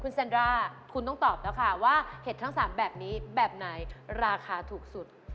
คุณเซนร่าคุณต้องตอบแล้วค่ะว่าเห็ดทั้ง๓แบบนี้แบบไหนราคาถูกสุด